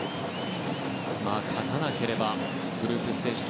勝たなければグループステージ